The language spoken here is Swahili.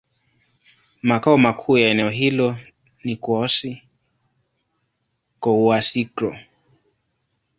Makao makuu ya eneo hilo ni Kouassi-Kouassikro.